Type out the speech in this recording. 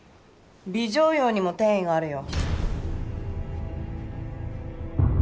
尾状葉にも転移があるよ。